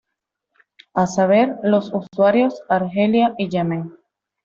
A saber, los usuarios, Argelia y Yemen.